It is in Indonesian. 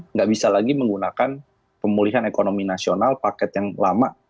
nggak bisa lagi menggunakan pemulihan ekonomi nasional paket yang lama